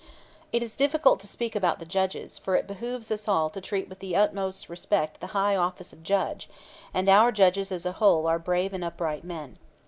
It is difficult to speak about the judges, for it behooves us all to treat with the utmost respect the high office of judge; and our judges as a whole are brave and upright men.